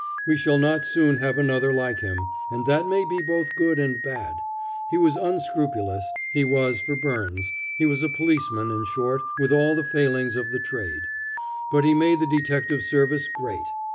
We shall not soon have another like him, and that may be both good and bad. He was unscrupulous, he was for Byrnes he was a policeman, in short, with all the failings of the trade. But he made the detective service great.